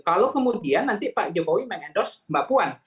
kalau kemudian nanti pak jokowi meng endorse mbak puan